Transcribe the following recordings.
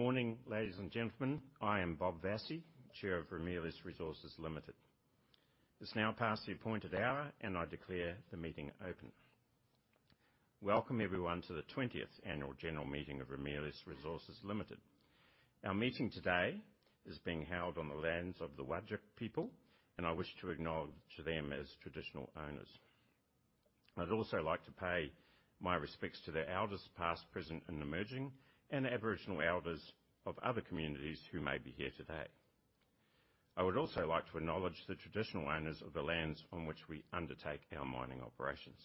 Good morning, ladies and gentlemen. I am Bob Vassie, Chair of Ramelius Resources Limited. It's now past the appointed hour. I declare the meeting open. Welcome, everyone, to the 20th Annual General Meeting of Ramelius Resources Limited. Our meeting today is being held on the lands of the Whadjuk people. I wish to acknowledge to them as traditional owners. I'd also like to pay my respects to their elders past, present, and emerging, the Aboriginal elders of other communities who may be here today. I would also like to acknowledge the traditional owners of the lands on which we undertake our mining operations.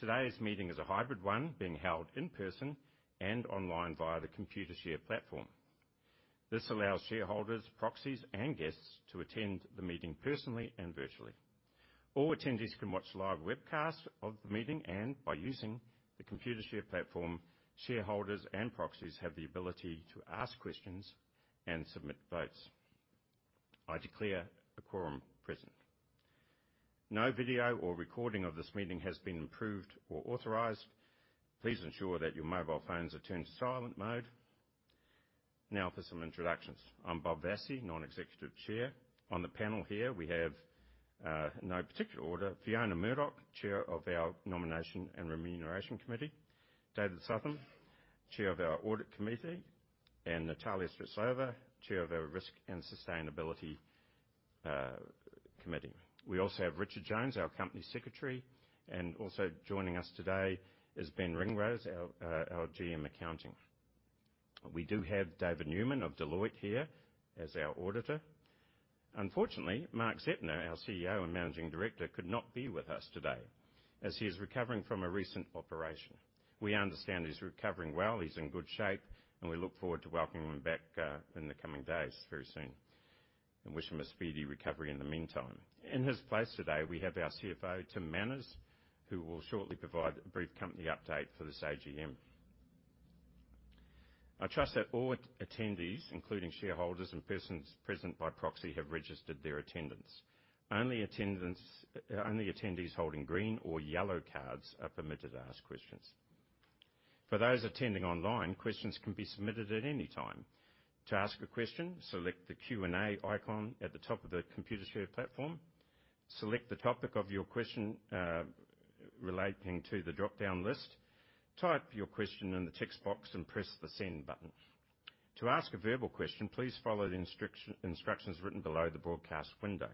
Today's meeting is a hybrid one, being held in person and online via the Computershare platform. This allows shareholders, proxies, and guests to attend the meeting personally and virtually. All attendees can watch live webcast of the meeting, and by using the Computershare platform, shareholders and proxies have the ability to ask questions and submit votes. I declare a quorum present. No video or recording of this meeting has been approved or authorized. Please ensure that your mobile phones are turned to silent mode. For some introductions. I'm Bob Vassie, Non-Executive Chair. On the panel here we have, in no particular order, Fiona Murdoch, Chair of our Nomination and Remuneration Committee, David Southam, Chair of our Audit Committee, and Natalia Sviridova, Chair of our Risk and Sustainability Committee. We also have Richard Jones, our Company Secretary, and also joining us today is Ben Ringrose, our GM Accounting. We do have David Newman of Deloitte here as our auditor. Unfortunately, Mark Zeptner, our CEO and Managing Director, could not be with us today as he is recovering from a recent operation. We understand he's recovering well, he's in good shape, and we look forward to welcoming him back in the coming days very soon and wish him a speedy recovery in the meantime. In his place today, we have our CFO, Tim Manners, who will shortly provide a brief company update for this AGM. I trust that all attendees, including shareholders and persons present by proxy, have registered their attendance. Only attendees holding green or yellow cards are permitted to ask questions. For those attending online, questions can be submitted at any time. To ask a question, select the Q&A icon at the top of the Computershare platform. Select the topic of your question relating to the dropdown list. Type your question in the text box and press the Send button. To ask a verbal question, please follow the instructions written below the Broadcast window.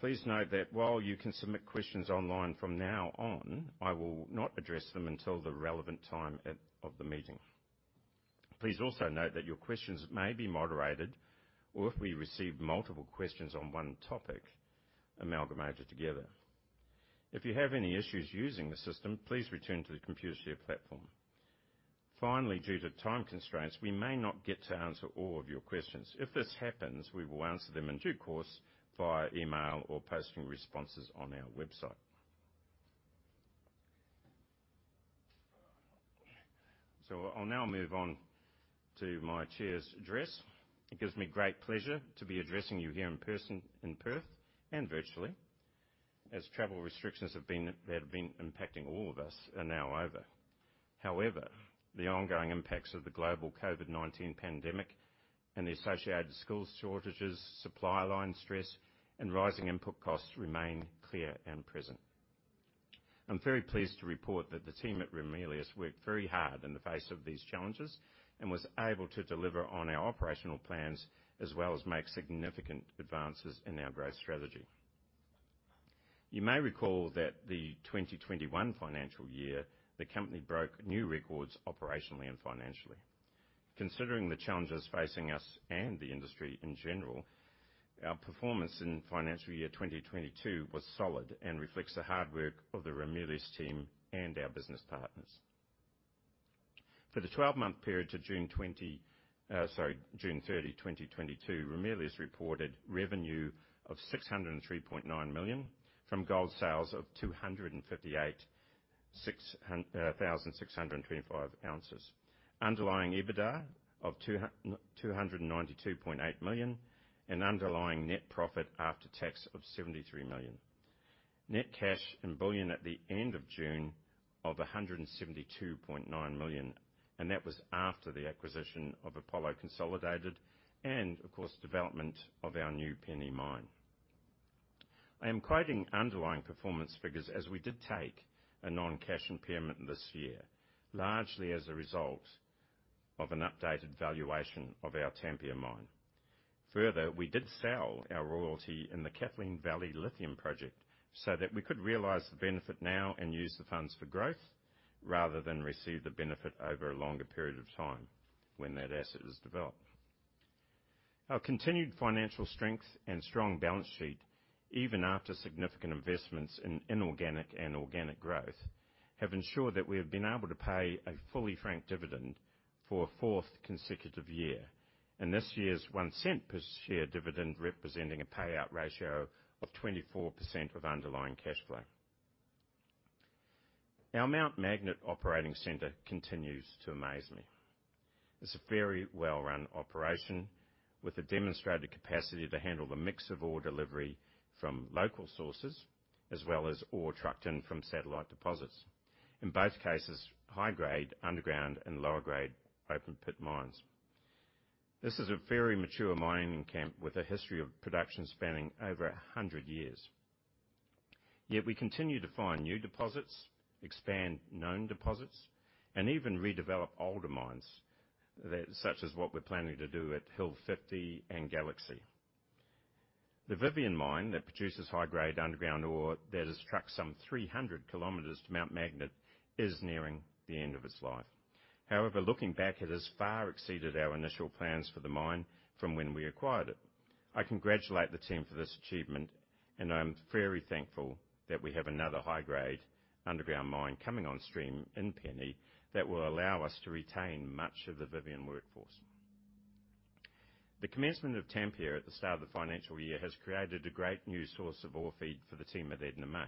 Please note that while you can submit questions online from now on, I will not address them until the relevant time of the meeting. Please also note that your questions may be moderated or, if we receive multiple questions on one topic, amalgamated together. If you have any issues using the system, please return to the Computershare platform. Finally, due to time constraints, we may not get to answer all of your questions. If this happens, we will answer them in due course via email or posting responses on our website. I'll now move on to my chair's address. It gives me great pleasure to be addressing you here in person in Perth and virtually as travel restrictions have been, that have been impacting all of us are now over. However, the ongoing impacts of the global COVID-19 pandemic and the associated skills shortages, supply line stress, and rising input costs remain clear and present. I'm very pleased to report that the team at Ramelius worked very hard in the face of these challenges and was able to deliver on our operational plans as well as make significant advances in our growth strategy. You may recall that the 2021 financial year, the company broke new records operationally and financially. Considering the challenges facing us and the industry in general, our performance in financial year 2022 was solid and reflects the hard work of the Ramelius team and our business partners. For the 12-month period to June 30, 2022, Ramelius reported revenue of 603.9 million from gold sales of 258,625 ounces. Underlying EBITDA of 292.8 million and underlying net profit after tax of 73 million. Net cash and bullion at the end of June of 172.9 million, that was after the acquisition of Apollo Consolidated and, of course, development of our new Penny Mine. I am quoting underlying performance figures as we did take a non-cash impairment this year, largely as a result of an updated valuation of our Tampia Mine. Further, we did sell our royalty in the Kathleen Valley Lithium project so that we could realize the benefit now and use the funds for growth rather than receive the benefit over a longer period of time when that asset is developed. Our continued financial strength and strong balance sheet, even after significant investments in inorganic and organic growth, have ensured that we have been able to pay a fully franked dividend for a fourth consecutive year. This year's 0.01 per share dividend representing a payout ratio of 24% of underlying cash flow. Our Mt Magnet Operating Center continues to amaze me. It's a very well-run operation with the demonstrated capacity to handle the mix of ore delivery from local sources as well as ore trucked in from satellite deposits. In both cases, high-grade underground and lower grade open-pit mines. This is a very mature mining camp with a history of production spanning over 100 years. We continue to find new deposits, expand known deposits, and even redevelop older mines, that such as what we're planning to do at Hill 50 and Galaxy. The Vivien Mine that produces high-grade underground ore that is trucked some 300 km to Mt Magnet is nearing the end of its life. Looking back, it has far exceeded our initial plans for the mine from when we acquired it. I congratulate the team for this achievement, I'm very thankful that we have another high-grade underground mine coming on stream in Penny that will allow us to retain much of the Vivien workforce. The commencement of Tampia at the start of the financial year has created a great new source of ore feed for the team at Edna May.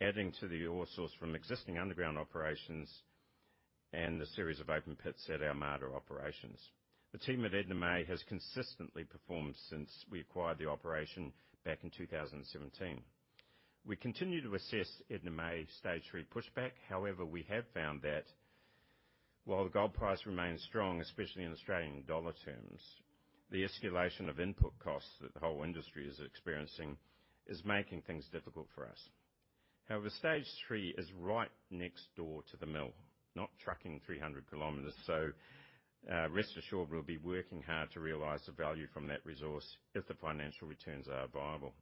Adding to the ore source from existing underground operations and a series of open pits at our Mt Magnet operations. The team at Edna May has consistently performed since we acquired the operation back in 2017. We continue to assess Edna May stage three pushback. We have found that while the gold price remains strong, especially in Australian dollar terms, the escalation of input costs that the whole industry is experiencing is making things difficult for us. Stage three is right next door to the mill, not trucking 300 km. Rest assured we'll be working hard to realize the value from that resource if the financial returns are viable.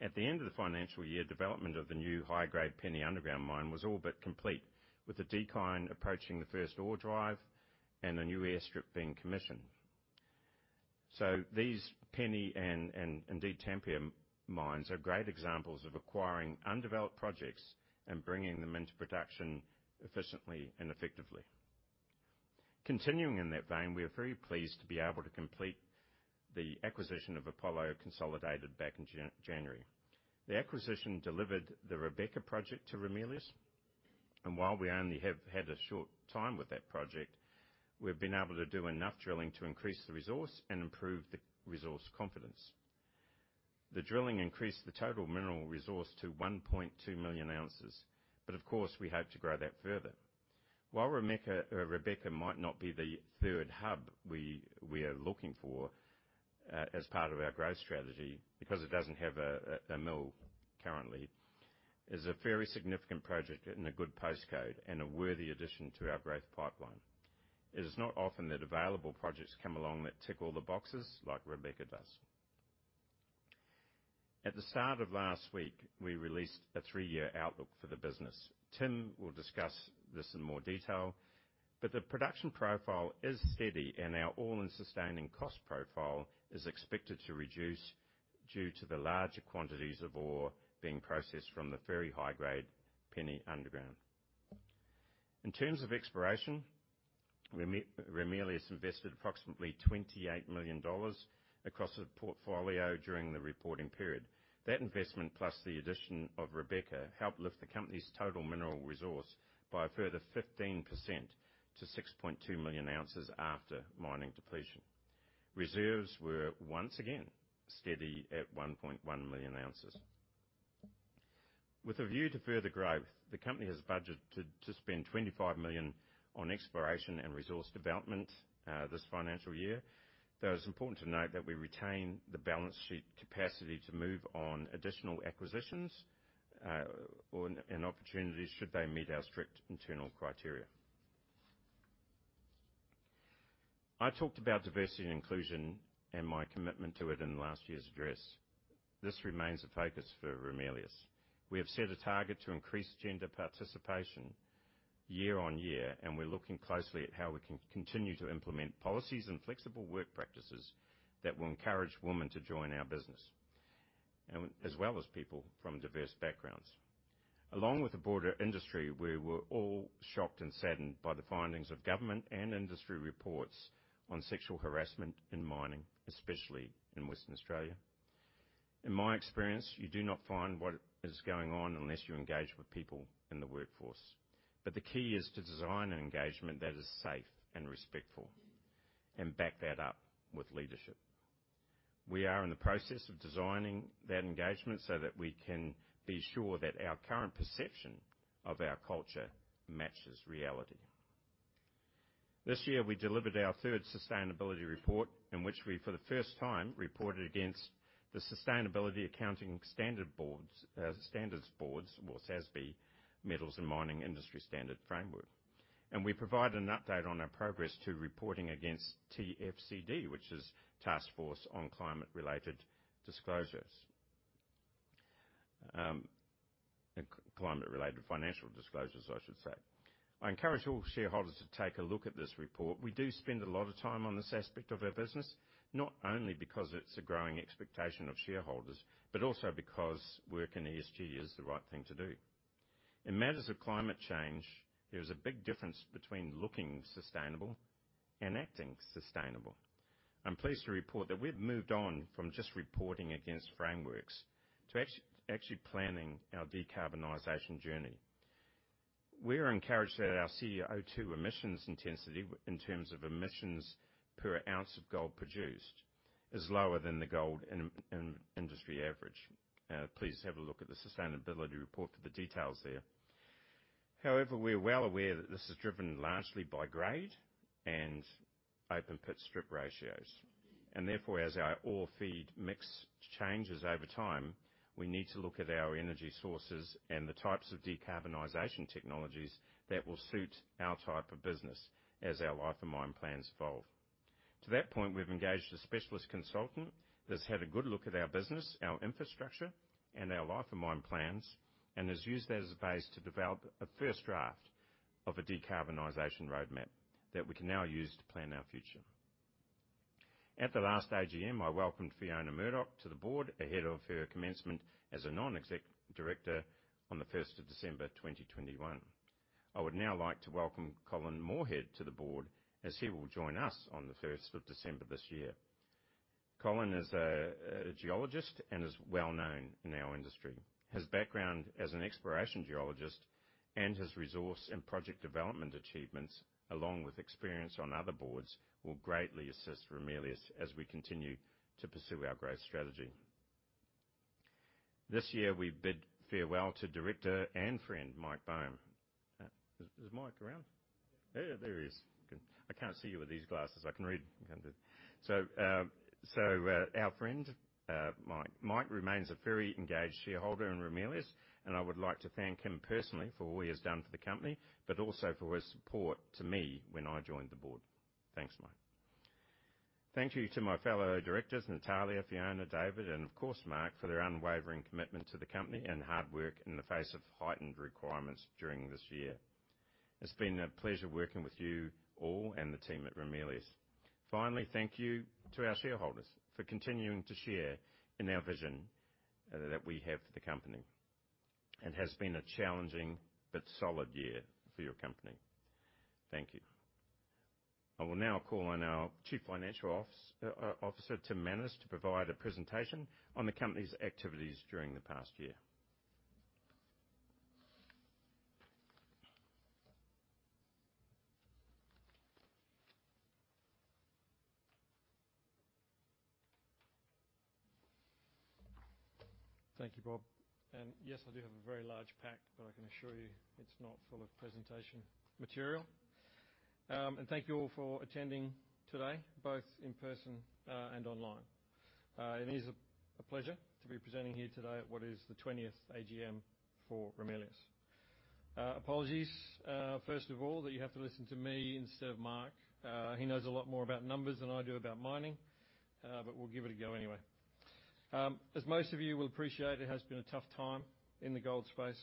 At the end of the financial year, development of the new high-grade Penny underground mine was all but complete, with the decline approaching the first ore drive and a new airstrip being commissioned. These Penny and indeed Tampia mines are great examples of acquiring undeveloped projects and bringing them into production efficiently and effectively. Continuing in that vein, we are very pleased to be able to complete the acquisition of Apollo Consolidated back in January. The acquisition delivered the Rebecca Project to Ramelius, and while we only have had a short time with that project, we've been able to do enough drilling to increase the resource and improve the resource confidence. The drilling increased the total mineral resource to 1.2 million ounces, but of course, we hope to grow that further. While Rebecca might not be the third hub we are looking for as part of our growth strategy because it doesn't have a mill currently, is a very significant project in a good postcode and a worthy addition to our growth pipeline. It is not often that available projects come along that tick all the boxes like Rebecca does. At the start of last week, we released a three-year outlook for the business. Tim will discuss this in more detail, the production profile is steady, and our all-in sustaining cost profile is expected to reduce due to the larger quantities of ore being processed from the very high-grade Penny underground. In terms of exploration, Ramelius invested approximately $28 million across the portfolio during the reporting period. That investment, plus the addition of Rebecca, helped lift the company's total mineral resource by a further 15% to 6.2 million ounces after mining depletion. Reserves were once again steady at 1.1 million ounces. With a view to further growth, the company has budgeted to spend $25 million on exploration and resource development this financial year. It's important to note that we retain the balance sheet capacity to move on additional acquisitions, or, and opportunities should they meet our strict internal criteria. I talked about diversity and inclusion and my commitment to it in last year's address. This remains a focus for Ramelius. We have set a target to increase gender participation year-on-year, and we're looking closely at how we can continue to implement policies and flexible work practices that will encourage women to join our business and as well as people from diverse backgrounds. Along with the broader industry, we were all shocked and saddened by the findings of government and industry reports on sexual harassment in mining, especially in Western Australia. In my experience, you do not find what is going on unless you engage with people in the workforce. The key is to design an engagement that is safe and respectful and back that up with leadership. We are in the process of designing that engagement so that we can be sure that our current perception of our culture matches reality. This year, we delivered our third sustainability report, in which we, for the first time, reported against the Sustainability Accounting Standards Board or SASB Metals and Mining Industry Standard Framework. We provide an update on our progress to reporting against TCFD, which is Task Force on Climate-related Disclosures. Climate-related Financial Disclosures, I should say. I encourage all shareholders to take a look at this report. We do spend a lot of time on this aspect of our business, not only because it's a growing expectation of shareholders, but also because work in ESG is the right thing to do. In matters of climate change, there is a big difference between looking sustainable and acting sustainable. I'm pleased to report that we've moved on from just reporting against frameworks to actually planning our decarbonization journey. We are encouraged that our CO2 emissions intensity in terms of emissions per ounce of gold produced is lower than the gold in industry average. Please have a look at the sustainability report for the details there. However, we're well aware that this is driven largely by grade and open pit strip ratios. Therefore, as our ore feed mix changes over time, we need to look at our energy sources and the types of decarbonization technologies that will suit our type of business as our life of mine plans evolve. To that point, we've engaged a specialist consultant that's had a good look at our business, our infrastructure, and our life of mine plans, and has used that as a base to develop a first draft of a decarbonization roadmap that we can now use to plan our future. At the last AGM, I welcomed Fiona Murdoch to the board ahead of her commencement as a non-executive director on the first of December 2021. I would now like to welcome Colin Moorhead to the board, as he will join us on the first of December this year. Colin is a geologist and is well-known in our industry. His background as an exploration geologist and his resource and project development achievements, along with experience on other boards, will greatly assist Ramelius as we continue to pursue our growth strategy. This year, we bid farewell to director and friend, Mike Bohm. Is Mike around? There he is. Good. I can't see you with these glasses. I can read. Our friend, Mike. Mike remains a very engaged shareholder in Ramelius, and I would like to thank him personally for all he has done for the company, but also for his support to me when I joined the board. Thanks, Mike. Thank you to my fellow directors, Natalia, Fiona, David, and of course Mark, for their unwavering commitment to the company and hard work in the face of heightened requirements during this year. It's been a pleasure working with you all and the team at Ramelius. Finally, thank you to our shareholders for continuing to share in our vision that we have for the company. It has been a challenging but solid year for your company. Thank you. I will now call on our Chief Financial Officer, Tim Manners, to provide a presentation on the company's activities during the past year. Thank you, Bob. Yes, I do have a very large pack, but I can assure you it's not full of presentation material. Thank you all for attending today, both in person and online. It is a pleasure to be presenting here today at what is the 20th AGM for Ramelius. Apologies, first of all, that you have to listen to me instead of Mark. He knows a lot more about numbers than I do about mining, but we'll give it a go anyway. As most of you will appreciate, it has been a tough time in the gold space.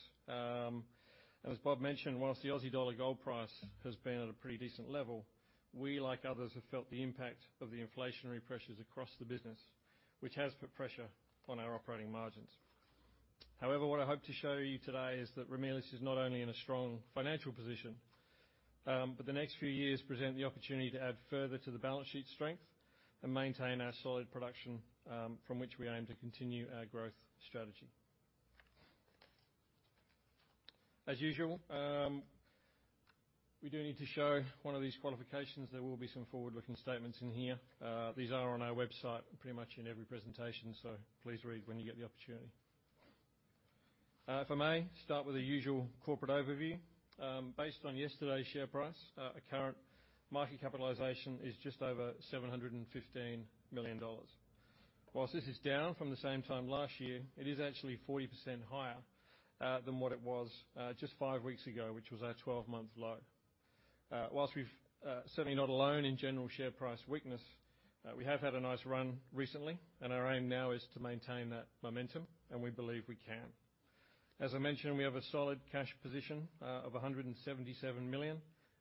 As Bob mentioned, whilst the Aussie dollar gold price has been at a pretty decent level, we, like others, have felt the impact of the inflationary pressures across the business, which has put pressure on our operating margins. What I hope to show you today is that Ramelius is not only in a strong financial position, but the next few years present the opportunity to add further to the balance sheet strength and maintain our solid production, from which we aim to continue our growth strategy. As usual, we do need to show one of these qualifications. There will be some forward-looking statements in here. These are on our website pretty much in every presentation, so please read when you get the opportunity. If I may, start with the usual corporate overview. Based on yesterday's share price, our current market capitalization is just over 715 million dollars. Whilst this is down from the same time last year, it is actually 40% higher than what it was just five weeks ago, which was our 12-month low. Whilst we've certainly not alone in general share price weakness, we have had a nice run recently, and our aim now is to maintain that momentum, and we believe we can. As I mentioned, we have a solid cash position of 177 million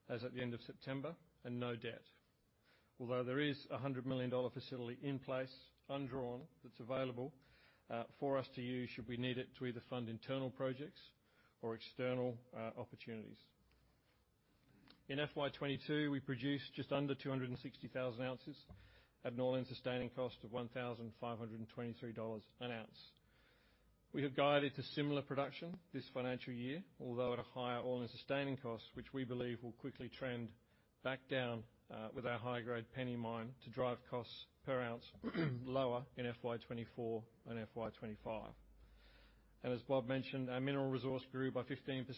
as at the end of September and no debt. Although there is a 100 million dollar facility in place, undrawn, that's available for us to use should we need it to either fund internal projects or external opportunities. In FY 2022, we produced just under 260,000 ounces at an all-in sustaining cost of 1,523 dollars an ounce. We have guided to similar production this financial year, although at a higher all-in sustaining cost, which we believe will quickly trend back down with our high-grade Penny Mine to drive costs per ounce lower in FY 2024 and FY 2025. As Bob mentioned, our mineral resource grew by 15% to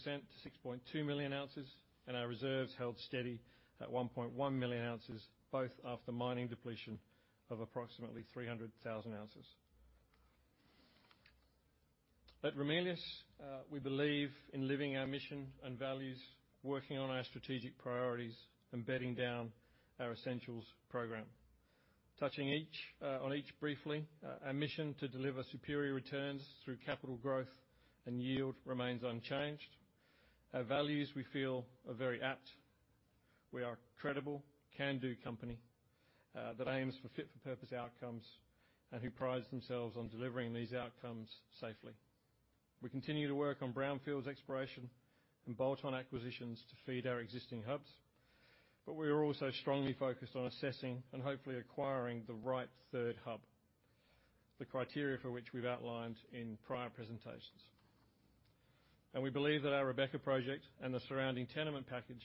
6.2 million ounces, and our reserves held steady at 1.1 million ounces, both after mining depletion of approximately 300,000 ounces. At Ramelius, we believe in living our mission and values, working on our strategic priorities, and bedding down our Essentials program. Touching each on each briefly, our mission to deliver superior returns through capital growth and yield remains unchanged. Our values, we feel, are very apt. We are a credible, can-do company that aims for fit for purpose outcomes and who prides themselves on delivering these outcomes safely. We continue to work on brownfields exploration and bolt-on acquisitions to feed our existing hubs. We are also strongly focused on assessing and hopefully acquiring the right third hub, the criteria for which we've outlined in prior presentations. We believe that our Rebecca project and the surrounding tenement package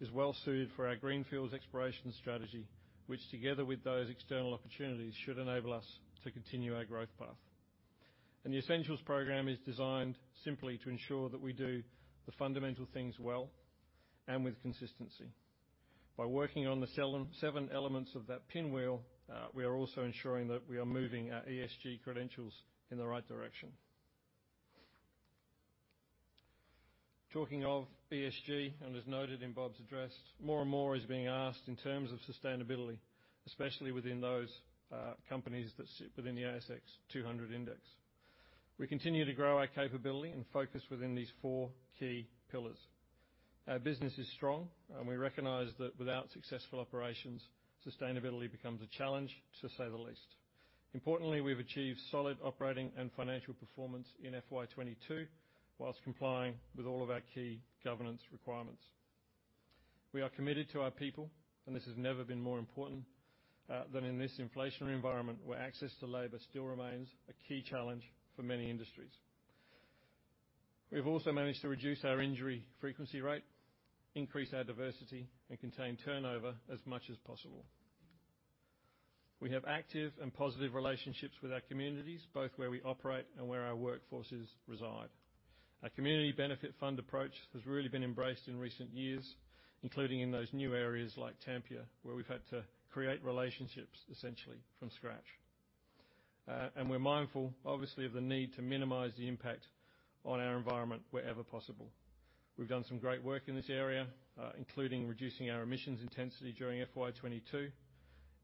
is well suited for our greenfields exploration strategy, which together with those external opportunities, should enable us to continue our growth path. The Essentials program is designed simply to ensure that we do the fundamental things well and with consistency. By working on the seven elements of that pinwheel, we are also ensuring that we are moving our ESG credentials in the right direction. Talking of ESG, and as noted in Bob's address, more and more is being asked in terms of sustainability, especially within those companies that sit within the ASX 200 index. We continue to grow our capability and focus within these four key pillars. Our business is strong, and we recognize that without successful operations, sustainability becomes a challenge to say the least. Importantly, we've achieved solid operating and financial performance in FY 2022 whilst complying with all of our key governance requirements. We are committed to our people, and this has never been more important than in this inflationary environment where access to labor still remains a key challenge for many industries. We've also managed to reduce our injury frequency rate, increase our diversity, and contain turnover as much as possible. We have active and positive relationships with our communities, both where we operate and where our workforces reside. Our community benefit fund approach has really been embraced in recent years, including in those new areas like Tampia, where we've had to create relationships essentially from scratch. We're mindful, obviously, of the need to minimize the impact on our environment wherever possible. We've done some great work in this area, including reducing our emissions intensity during FY 2022,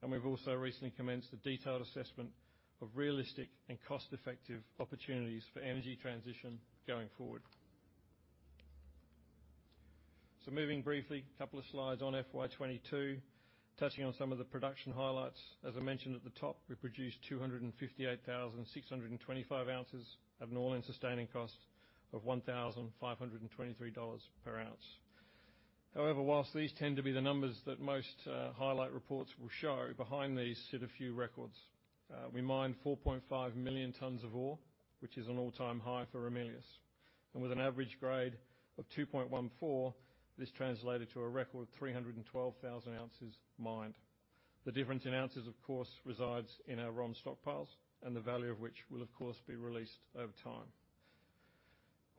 and we've also recently commenced a detailed assessment of realistic and cost-effective opportunities for energy transition going forward. Moving briefly, a couple of slides on FY 2022, touching on some of the production highlights. As I mentioned at the top, we produced 258,625 ounces at an all-in sustaining cost of 1,523 dollars per ounce. Whilst these tend to be the numbers that most highlight reports will show, behind these sit a few records. We mined 4.5 million tons of ore, which is an all-time high for Ramelius. With an average grade of 2.14, this translated to a record 312,000 ounces mined. The difference in ounces, of course, resides in our ROM stockpiles, and the value of which will of course, be released over time.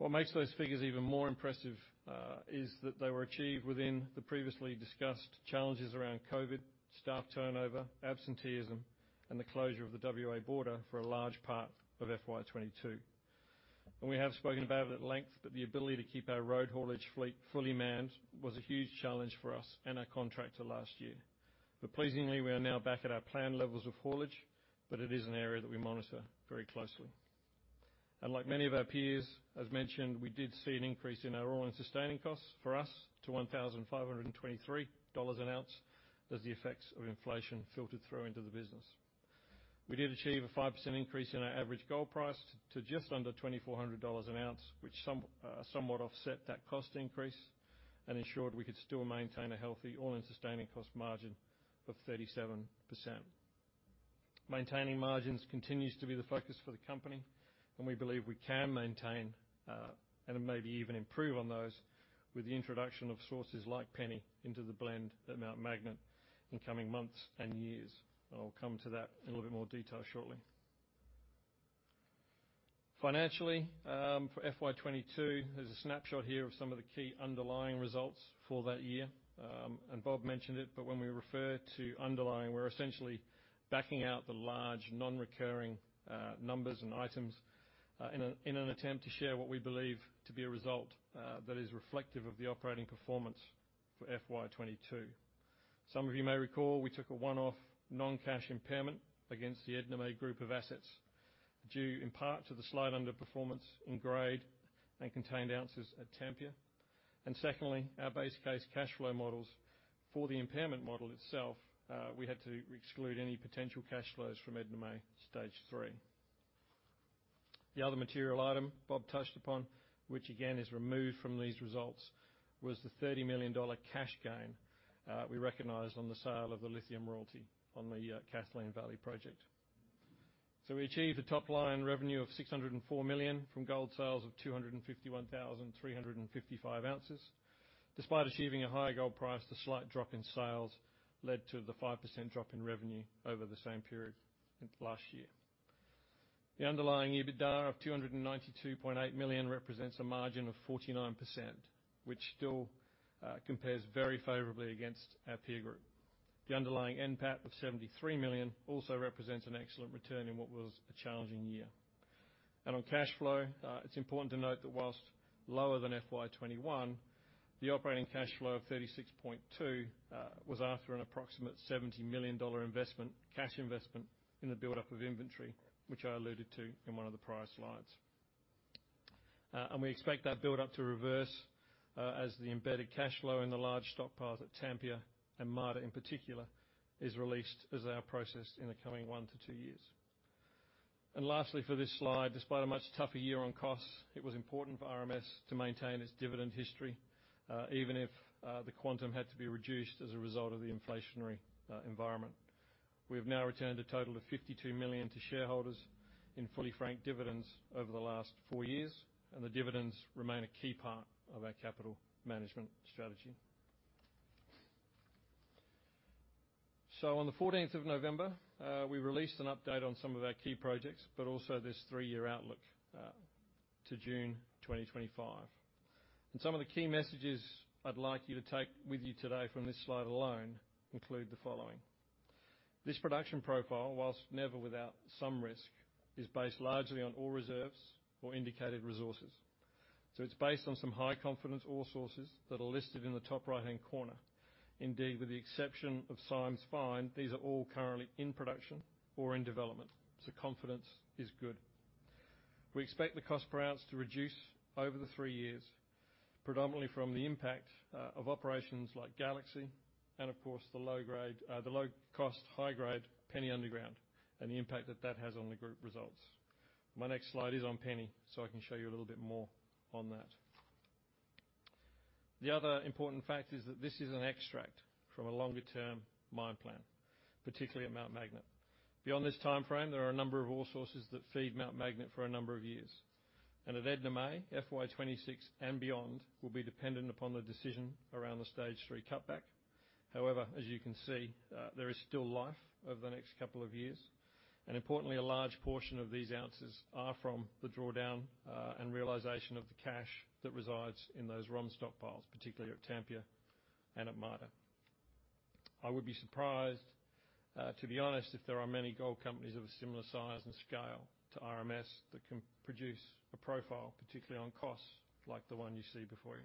What makes those figures even more impressive, is that they were achieved within the previously discussed challenges around COVID, staff turnover, absenteeism, and the closure of the WA border for a large part of FY 2022. We have spoken about it at length, but the ability to keep our road haulage fleet fully manned was a huge challenge for us and our contractor last year. Pleasingly, we are now back at our planned levels of haulage, but it is an area that we monitor very closely. Like many of our peers have mentioned, we did see an increase in our all-in sustaining costs for us to 1,523 dollars an ounce as the effects of inflation filtered through into the business. We did achieve a 5% increase in our average gold price to just under AUD 2,400 an ounce, which some somewhat offset that cost increase and ensured we could still maintain a healthy all-in sustaining cost margin of 37%. Maintaining margins continues to be the focus for the company, and we believe we can maintain and maybe even improve on those with the introduction of sources like Penny into the blend at Mt Magnet in coming months and years. I'll come to that in a little bit more detail shortly. Financially, for FY 2022, there's a snapshot here of some of the key underlying results for that year. Bob mentioned it, but when we refer to underlying, we're essentially backing out the large non-recurring numbers and items in an attempt to share what we believe to be a result that is reflective of the operating performance for FY 2022. Some of you may recall we took a one-off non-cash impairment against the Edna May group of assets, due in part to the slight underperformance in grade and contained ounces at Tampia. Secondly, our base case cash flow models for the impairment model itself, we had to exclude any potential cash flows from Edna May Stage 3. The other material item Bob touched upon, which again is removed from these results, was the 30 million dollar cash gain we recognized on the sale of the lithium royalty on the Kathleen Valley project. We achieved a top-line revenue of 604 million from gold sales of 251,355 ounces. Despite achieving a higher gold price, the slight drop in sales led to the 5% drop in revenue over the same period last year. The underlying EBITDA of 292.8 million represents a margin of 49%, which still compares very favorably against our peer group. The underlying NPAT of 73 million also represents an excellent return in what was a challenging year. On cash flow, it's important to note that whilst lower than FY 2021, the operating cash flow of 36.2 was after an approximate 70 million dollar investment, cash investment in the buildup of inventory, which I alluded to in one of the prior slides. We expect that buildup to reverse as the embedded cash flow in the large stockpile at Tampia and Marda in particular, is released as they are processed in the coming one to two years. Lastly, for this slide, despite a much tougher year on costs, it was important for RMS to maintain its dividend history, even if the quantum had to be reduced as a result of the inflationary environment. We have now returned a total of 52 million to shareholders in fully franked dividends over the last four years. The dividends remain a key part of our capital management strategy. On the 14th of November, we released an update on some of our key projects, but also this three-year outlook to June 2025. Some of the key messages I'd like you to take with you today from this slide alone include the following: This production profile, whilst never without some risk, is based largely on ore reserves or indicated resources. It's based on some high-confidence ore sources that are listed in the top right-hand corner. Indeed, with the exception of Symes Find, these are all currently in production or in development. Confidence is good. We expect the cost per ounce to reduce over the three years, predominantly from the impact of operations like Galaxy and of course the low-cost, high-grade Penny Underground and the impact that that has on the group results. My next slide is on Penny, so I can show you a little bit more on that. The other important fact is that this is an extract from a longer-term mine plan, particularly at Mt Magnet. Beyond this timeframe, there are a number of ore sources that feed Mt Magnet for a number of years. At Edna May, FY 2026 and beyond will be dependent upon the decision around the stage three cutback. However, as you can see, there is still life over the next couple of years. Importantly, a large portion of these ounces are from the drawdown and realization of the cash that resides in those ROM stockpiles, particularly at Tampia and at Mada. I would be surprised, to be honest, if there are many gold companies of a similar size and scale to RMS that can produce a profile, particularly on costs, like the one you see before you.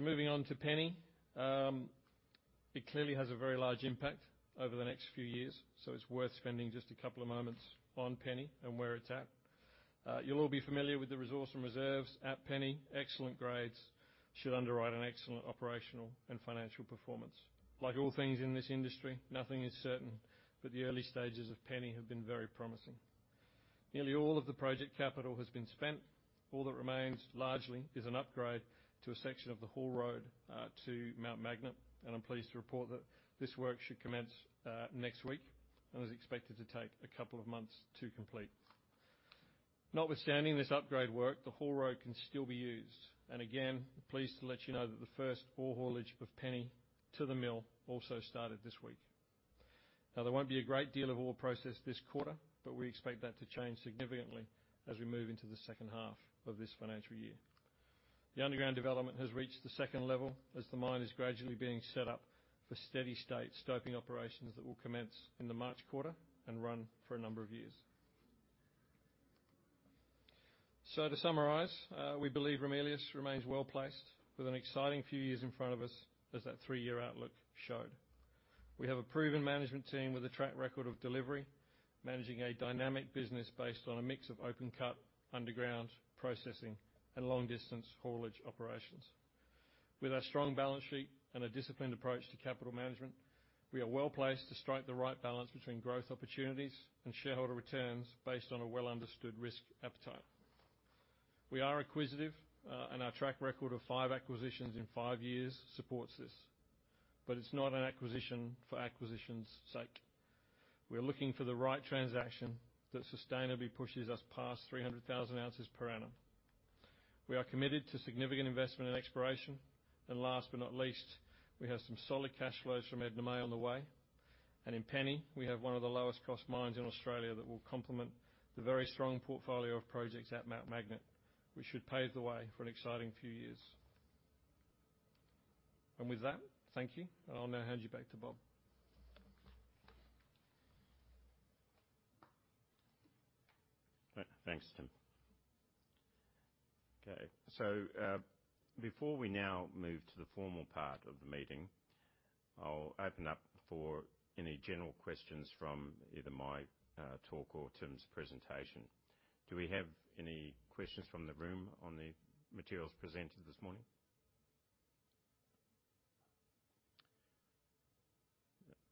Moving on to Penny. It clearly has a very large impact over the next few years, so it's worth spending just a couple of moments on Penny and where it's at. You'll all be familiar with the resource and reserves at Penny. Excellent grades should underwrite an excellent operational and financial performance. Like all things in this industry, nothing is certain, but the early stages of Penny have been very promising. Nearly all of the project capital has been spent. All that remains largely is an upgrade to a section of the haul road, to Mt Magnet. I'm pleased to report that this work should commence next week and is expected to take a couple of months to complete. Notwithstanding this upgrade work, the haul road can still be used. Again, pleased to let you know that the first ore haulage of Penny to the mill also started this week. There won't be a great deal of ore processed this quarter, but we expect that to change significantly as we move into the second half of this financial year. The underground development has reached the second level as the mine is gradually being set up for steady state stoping operations that will commence in the March quarter and run for a number of years. To summarize, we believe Ramelius remains well-placed with an exciting few years in front of us, as that three-year outlook showed. We have a proven management team with a track record of delivery, managing a dynamic business based on a mix of open cut, underground processing, and long-distance haulage operations. With our strong balance sheet and a disciplined approach to capital management, we are well-placed to strike the right balance between growth opportunities and shareholder returns based on a well-understood risk appetite. We are acquisitive. Our track record of five acquisitions in five years supports this. It's not an acquisition for acquisition's sake. We are looking for the right transaction that sustainably pushes us past 300,000 ounces per annum. We are committed to significant investment and exploration. Last but not least, we have some solid cash flows from Edna May on the way. In Penny, we have one of the lowest cost mines in Australia that will complement the very strong portfolio of projects at Mt Magnet, which should pave the way for an exciting few years. With that, thank you. I'll now hand you back to Bob. Thanks, Tim. Okay. Before we now move to the formal part of the meeting, I'll open up for any general questions from either my talk or Tim's presentation. Do we have any questions from the room on the materials presented this morning?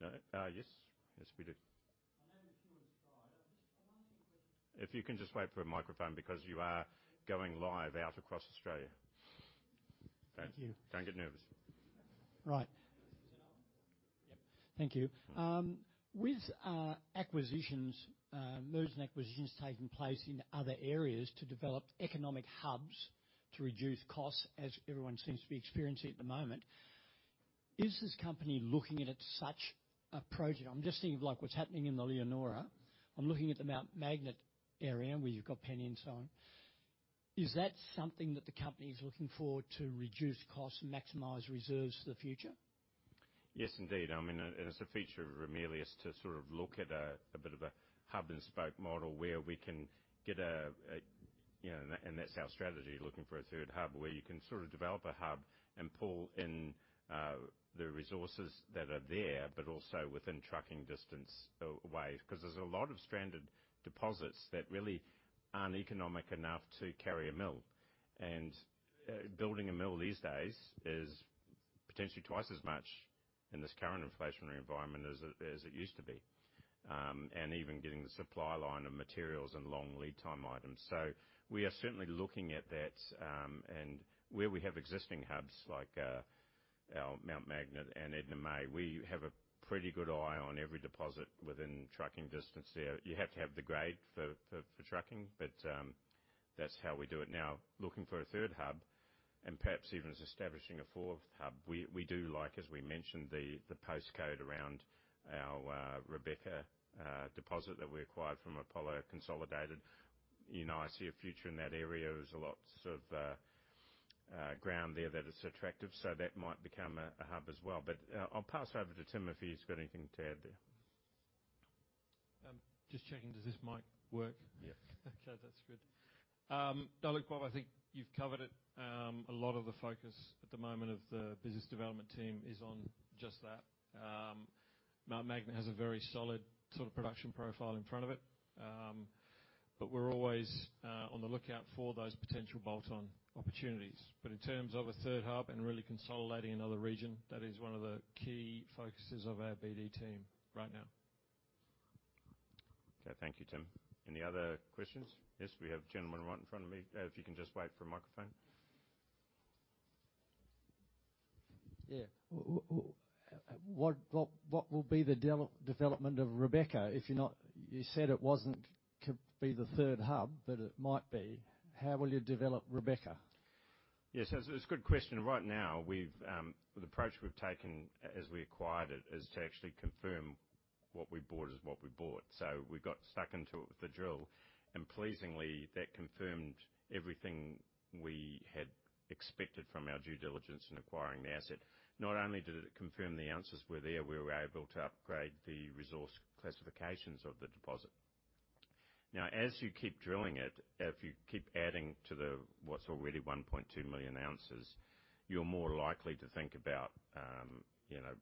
No. Yes. Yes, we do. If you can just wait for a microphone because you are going live out across Australia. Thank you. Don't get nervous. Right. Is it on? Yep. Thank you. With acquisitions, mergers and acquisitions taking place in other areas to develop economic hubs to reduce costs, as everyone seems to be experiencing at the moment. Is this company looking at such approach? I'm just thinking of like what's happening in the Leonora. I'm looking at the Mt Magnet area, where you've got Penny and so on. Is that something that the company is looking for to reduce costs and maximize reserves for the future? Yes, indeed. I mean, it's a feature of Ramelius to sort of look at a bit of a hub and spoke model where we can get a, you know. That's our strategy, looking for a third hub where you can sort of develop a hub and pull in the resources that are there, but also within trucking distance away. There's a lot of stranded deposits that really aren't economic enough to carry a mill. Building a mill these days is potentially twice as much in this current inflationary environment as it, as it used to be. Even getting the supply line of materials and long lead time items. We are certainly looking at that, and where we have existing hubs like our Mt Magnet and Edna May, we have a pretty good eye on every deposit within trucking distance there. You have to have the grade for trucking, that's how we do it. Looking for a third hub and perhaps even establishing a fourth hub, we do like, as we mentioned, the postcode around our Rebecca deposit that we acquired from Apollo Consolidated. You know, I see a future in that area. There's lots of ground there that is attractive, so that might become a hub as well. I'll pass over to Tim if he's got anything to add there. Just checking, does this mic work? Yeah. Okay, that's good. Now look, Bob, I think you've covered it. A lot of the focus at the moment of the business development team is on just that. Mt Magnet has a very solid sort of production profile in front of it. We're always, on the lookout for those potential bolt-on opportunities. In terms of a third hub and really consolidating another region, that is one of the key focuses of our BD team right now. Okay. Thank you, Tim. Any other questions? Yes, we have a gentleman right in front of me. If you can just wait for a microphone. Yeah. What will be the development of Rebecca if you're not-You said it wasn't, could be the third hub, but it might be. How will you develop Rebecca? Yes. That's a good question. Right now, we've, the approach we've taken as we acquired it is to actually confirm what we bought is what we bought. We got stuck into it with the drill, and pleasingly, that confirmed everything we had expected from our due diligence in acquiring the asset. Not only did it confirm the answers were there, we were able to upgrade the resource classifications of the deposit. As you keep drilling it, if you keep adding to the, what's already 1.2 million ounces, you're more likely to think about, you know,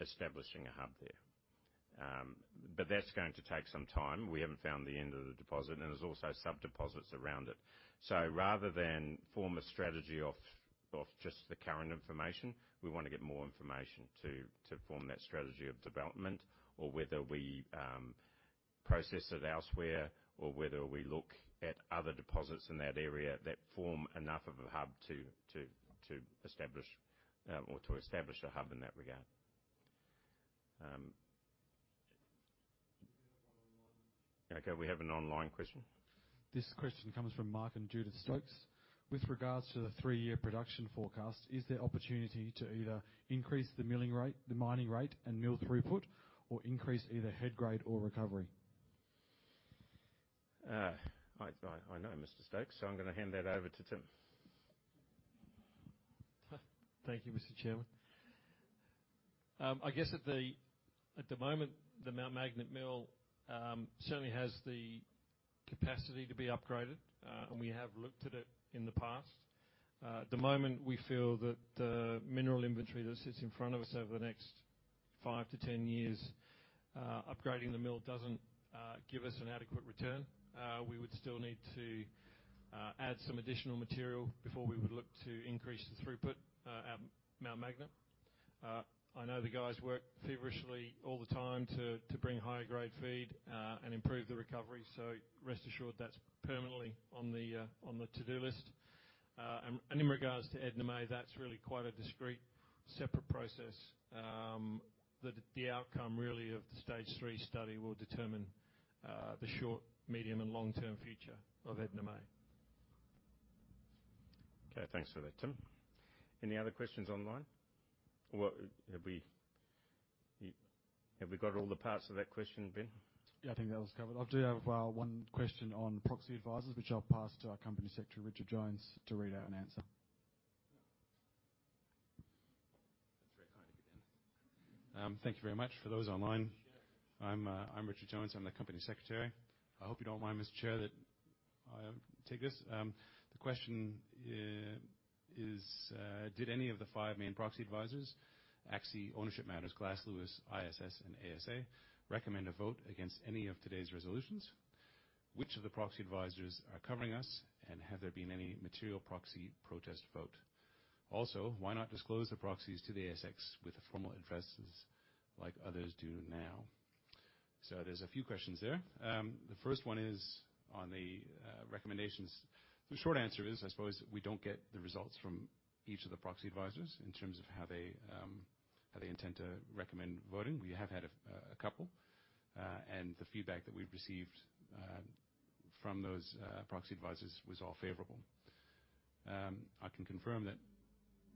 establishing a hub there. That's going to take some time. We haven't found the end of the deposit, and there's also sub-deposits around it. Rather than form a strategy off just the current information, we wanna get more information to form that strategy of development or whether we process it elsewhere or whether we look at other deposits in that area that form enough of a hub to establish or to establish a hub in that regard. Okay. We have an online question. This question comes from Mark and Judith Stokes. With regards to the three-year production forecast, is there opportunity to either increase the milling rate, the mining rate and mill throughput or increase either head grade or recovery? I know Mr. Stokes. I'm gonna hand that over to Tim. Thank you, Mr. Chairman. I guess at the moment, the Mt Magnet mill certainly has the capacity to be upgraded, and we have looked at it in the past. At the moment, we feel that the mineral inventory that sits in front of us over the next five to 10 years, upgrading the mill doesn't give us an adequate return. We would still need to add some additional material before we would look to increase the throughput at Mt Magnet. I know the guys work feverishly all the time to bring higher grade feed and improve the recovery. Rest assured that's permanently on the to-do list. In regards to Edna May, that's really quite a discrete, separate process. The outcome really of the stage 3 study will determine, the short, medium, and long-term future of Edna May. Okay, thanks for that, Tim. Any other questions online? Have we got all the parts of that question, Ben? I think that was covered. I do have one question on proxy advisors, which I'll pass to our Company Secretary, Richard Jones, to read out and answer. That's very kind of you, Ben. Thank you very much. For those online. Sure. I'm Richard Jones. I'm the Company Secretary. I hope you don't mind, Mr. Chair, that I take this. The question is, did any of the five main proxy advisors, ACSI, Ownership Matters, Glass Lewis, ISS, and ASA, recommend a vote against any of today's resolutions? Which of the proxy advisors are covering us, have there been any material proxy protest vote? Why not disclose the proxies to the ASX with the formal addresses like others do now? There's a few questions there. The first one is on the recommendations. The short answer is, I suppose, we don't get the results from each of the proxy advisors in terms of how they intend to recommend voting. We have had a couple, and the feedback that we've received from those proxy advisors was all favorable. I can confirm that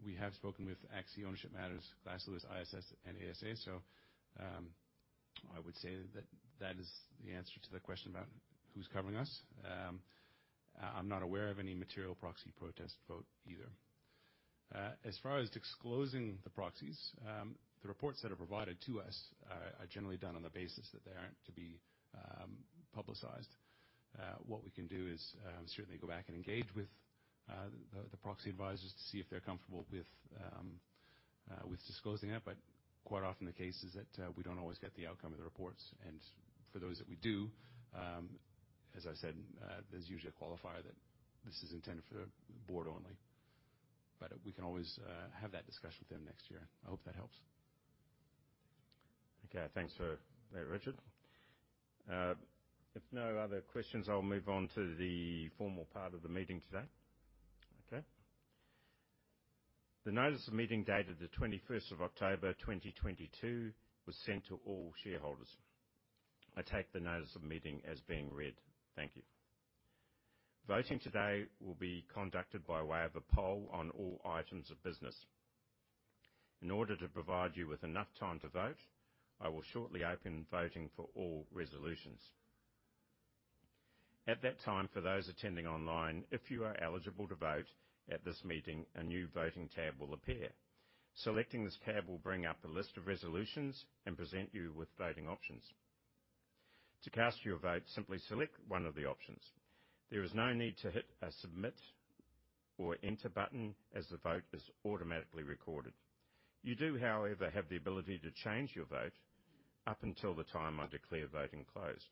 we have spoken with ACSI, Ownership Matters, Glass Lewis, ISS, and ASA. I would say that that is the answer to that question about who's covering us. I'm not aware of any material proxy protest vote either. As far as disclosing the proxies, the reports that are provided to us are generally done on the basis that they aren't to be publicized. What we can do is certainly go back and engage with the proxy advisors to see if they're comfortable with disclosing that. Quite often the case is that we don't always get the outcome of the reports. For those that we do, As I said, there's usually a qualifier that this is intended for the board only, but we can always, have that discussion with them next year. I hope that helps. Okay. Thanks for that, Richard. If no other questions, I'll move on to the formal part of the meeting today. Okay. The notice of meeting dated the 21st of October, 2022 was sent to all shareholders. I take the notice of meeting as being read. Thank you. Voting today will be conducted by way of a poll on all items of business. In order to provide you with enough time to vote, I will shortly open voting for all resolutions. At that time, for those attending online, if you are eligible to vote at this meeting, a new voting tab will appear. Selecting this tab will bring up a list of resolutions and present you with voting options. To cast your vote, simply select one of the options. There is no need to hit a Submit or Enter button as the vote is automatically recorded. You do, however, have the ability to change your vote up until the time I declare voting closed.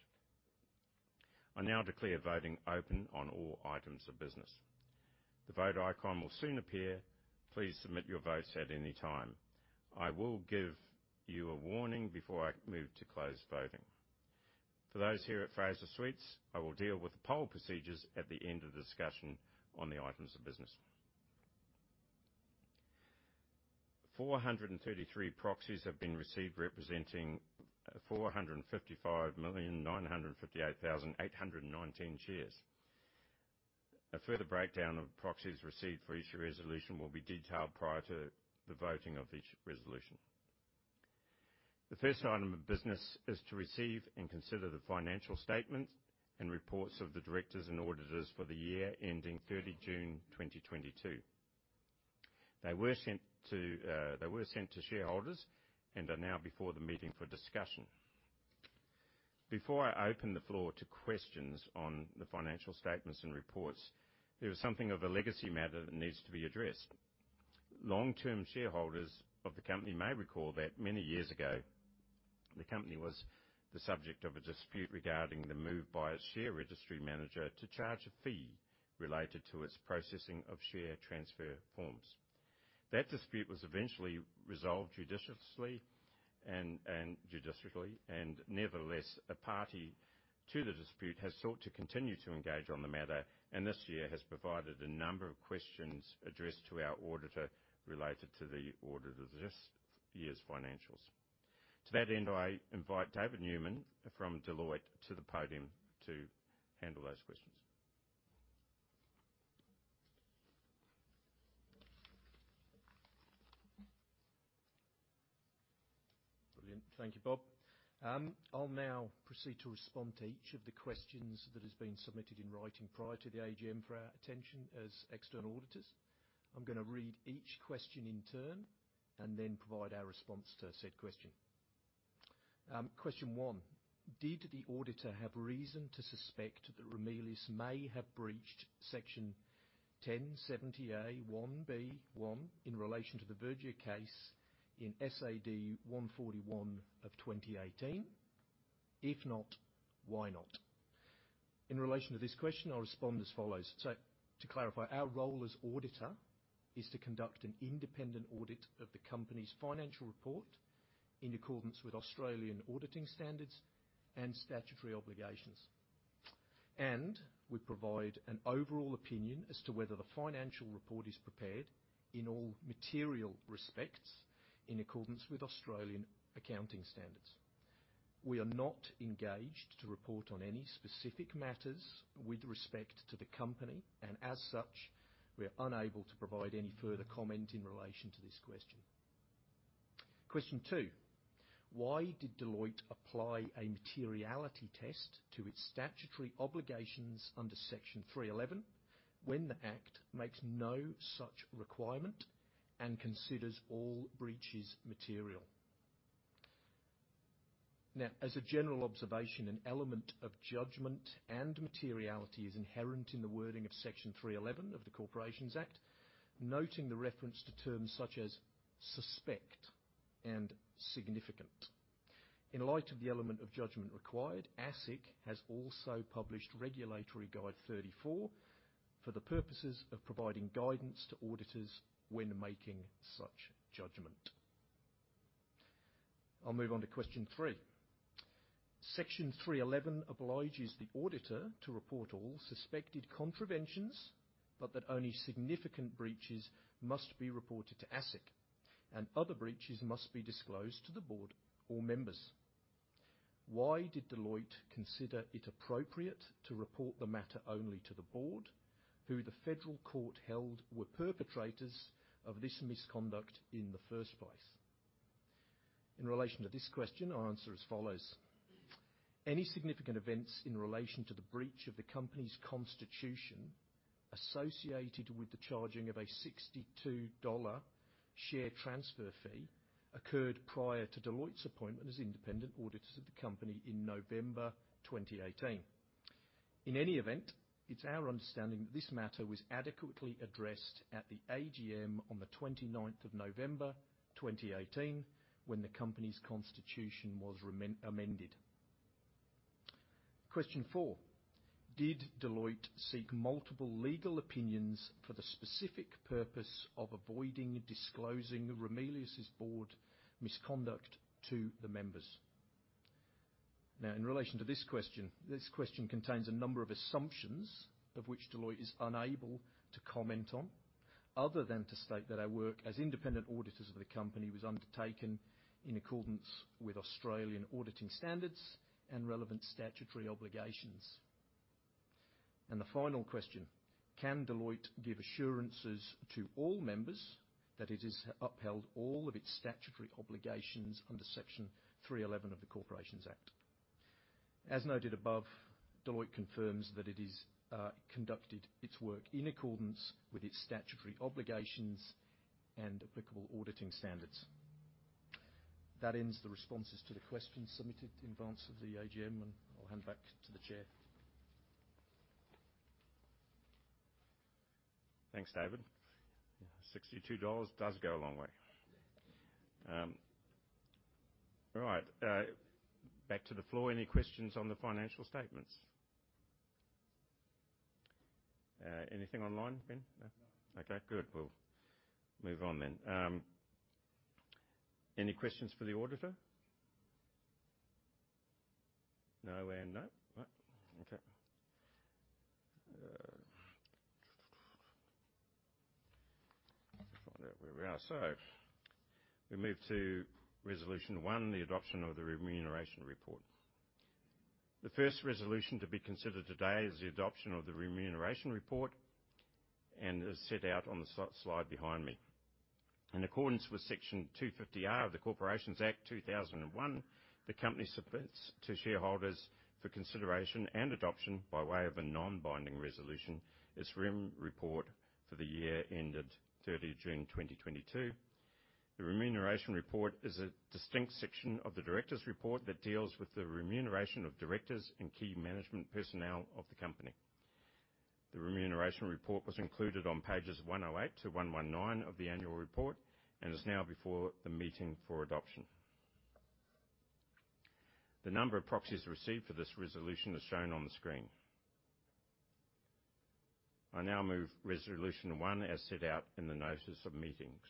I now declare voting open on all items of business. The vote icon will soon appear. Please submit your votes at any time. I will give you a warning before I move to close voting. For those here at Fraser Suites, I will deal with the poll procedures at the end of the discussion on the items of business. 433 proxies have been received representing 455,958,819 shares. A further breakdown of proxies received for each resolution will be detailed prior to the voting of each resolution. The first item of business is to receive and consider the financial statements and reports of the directors and auditors for the year ending 30 June 2022. They were sent to shareholders and are now before the meeting for discussion. Before I open the floor to questions on the financial statements and reports, there is something of a legacy matter that needs to be addressed. Long-term shareholders of the company may recall that many years ago, the company was the subject of a dispute regarding the move by a share registry manager to charge a fee related to its processing of share transfer forms. That dispute was eventually resolved judiciously and judicially. Nevertheless, a party to the dispute has sought to continue to engage on the matter, and this year has provided a number of questions addressed to our auditor related to the audit of this year's financials. To that end, I invite David Newman from Deloitte to the podium to handle those questions. Brilliant. Thank you, Bob. I'll now proceed to respond to each of the questions that has been submitted in writing prior to the AGM for our attention as external auditors. I'm gonna read each question in turn and then provide our response to said question. Question one, did the auditor have reason to suspect that Ramelius may have breached Section 1070A(1)(b)(i) in relation to the Verdure case in SAD 141 of 2018? If not, why not? In relation to this question, I'll respond as follows. To clarify, our role as auditor is to conduct an independent audit of the company's financial report in accordance with Australian auditing standards and statutory obligations. We provide an overall opinion as to whether the financial report is prepared in all material respects in accordance with Australian accounting standards. We are not engaged to report on any specific matters with respect to the company, and as such, we are unable to provide any further comment in relation to this question. Question two, why did Deloitte apply a materiality test to its statutory obligations under Section 311 when the act makes no such requirement and considers all breaches material? As a general observation, an element of judgment and materiality is inherent in the wording of Section 311 of the Corporations Act, noting the reference to terms such as suspect and significant. In light of the element of judgment required, ASIC has also published Regulatory Guide 34 for the purposes of providing guidance to auditors when making such judgment. I'll move on to question three. Section 311 obliges the auditor to report all suspected contraventions, but that only significant breaches must be reported to ASIC, and other breaches must be disclosed to the board or members. Why did Deloitte consider it appropriate to report the matter only to the board, who the Federal Court held were perpetrators of this misconduct in the first place? In relation to this question, I'll answer as follows. Any significant events in relation to the breach of the company's constitution associated with the charging of an 62 dollar share transfer fee occurred prior to Deloitte's appointment as independent auditors of the company in November 2018. In any event, it's our understanding that this matter was adequately addressed at the AGM on the 29th of November, 2018 when the company's constitution was amended. Question four: Did Deloitte seek multiple legal opinions for the specific purpose of avoiding disclosing Ramelius' board misconduct to the members? In relation to this question, this question contains a number of assumptions of which Deloitte is unable to comment on, other than to state that our work as independent auditors of the company was undertaken in accordance with Australian auditing standards and relevant statutory obligations. The final question: Can Deloitte give assurances to all members that it has upheld all of its statutory obligations under Section 311 of the Corporations Act? As noted above, Deloitte confirms that it has conducted its work in accordance with its statutory obligations and applicable auditing standards. That ends the responses to the questions submitted in advance of the AGM, and I'll hand back to the chair. Thanks, David. 62 dollars does go a long way. All right. Back to the floor. Any questions on the financial statements? Anything online, Ben? No? No. Okay, good. We'll move on then. Any questions for the auditor? No and no. Right. Okay. Let me find out where we are. We move to Resolution 1, the adoption of the remuneration report. The first resolution to be considered today is the adoption of the remuneration report and is set out on the slide behind me. In accordance with Section 250R of the Corporations Act 2001, the company submits to shareholders for consideration and adoption by way of a non-binding resolution, its REM report for the year ended 30 of June 2022. The remuneration report is a distinct section of the directors' report that deals with the remuneration of directors and key management personnel of the company. The remuneration report was included on pages 108 to 119 of the annual report and is now before the meeting for adoption. The number of proxies received for this resolution is shown on the screen. I now move Resolution 1 as set out in the notice of meetings.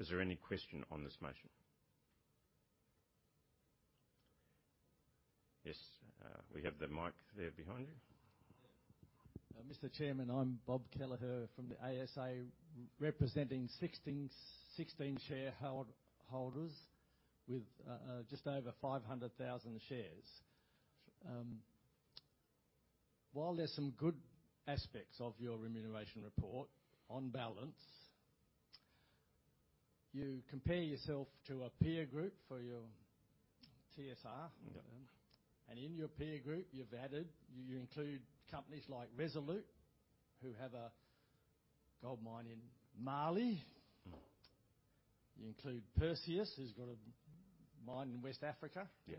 Is there any question on this motion? Yes. We have the mic there behind you. Mr. Chairman, I'm Bob Kelleher from the ASA, representing 16 shareholders with just over 500,000 shares. While there's some good aspects of your remuneration report, on balance, you compare yourself to a peer group for your TSR. Mm-hmm. In your peer group, you've added, you include companies like Resolute, who have a gold mine in Mali. Mm-hmm. You include Perseus, who's got a mine in West Africa. Yeah.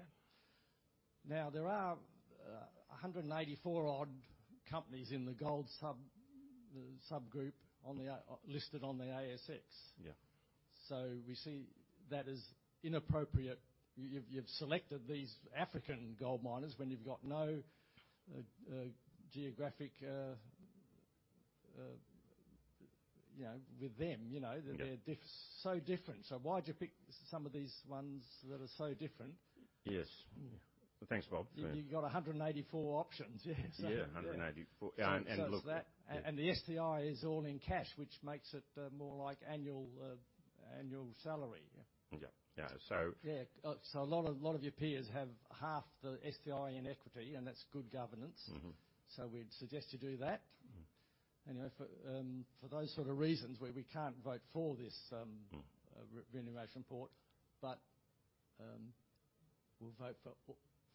There are 184 odd companies in the gold sub subgroup on the listed on the ASX. Yeah. We see that as inappropriate. You've selected these African gold miners when you've got no geographic, you know, with them, you know? Yeah. They're so different. Why'd you pick some of these ones that are so different? Yes. Yeah. Thanks, Bob. Yeah. You've got 184 options. Yes. Yeah. Yeah. 184. And, and look- It's that. Yeah. The STI is all in cash, which makes it more like annual salary. Yeah. Yeah. Yeah. A lot of your peers have half the STI in equity, and that's good governance. Mm-hmm. We'd suggest you do that. Mm-hmm. For those sort of reasons we can't vote for this. Mm-hmm -remuneration report. We'll vote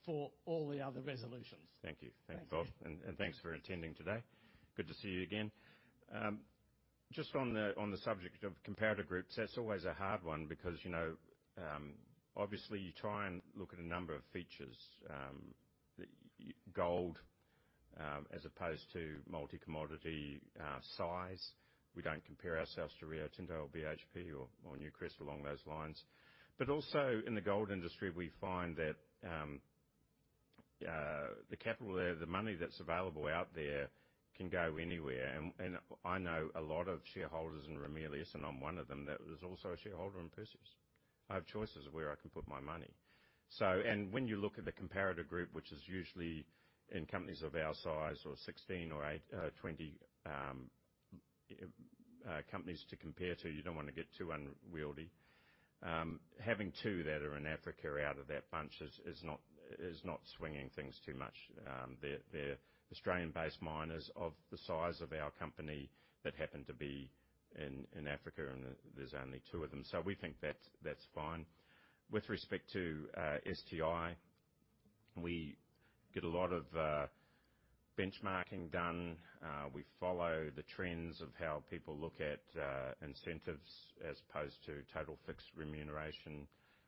for all the other resolutions. Thank you. Thank you. Thanks, Bob. Thanks for attending today. Good to see you again. Just on the subject of comparator groups, that's always a hard one because, you know, obviously you try and look at a number of features, gold as opposed to multi-commodity size. We don't compare ourselves to Rio Tinto or BHP or Newcrest along those lines. Also, in the gold industry, we find that the capital there, the money that's available out there can go anywhere. I know a lot of shareholders in Ramelius, and I'm one of them, that is also a shareholder in Perseus. I have choices of where I can put my money. When you look at the comparator group, which is usually in companies of our size or 16 or eight, 20 companies to compare to, you don't wanna get too unwieldy. Having two that are in Africa out of that bunch is not swinging things too much. They're Australian-based miners of the size of our company that happen to be in Africa, and there's only two of them. We think that's fine. With respect to STI, we get a lot of benchmarking done. We follow the trends of how people look at incentives as opposed to total fixed remuneration.